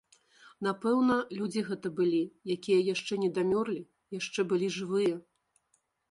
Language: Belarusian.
Напэўна, людзі гэта былі, якія яшчэ недамёрлі, яшчэ былі жывыя.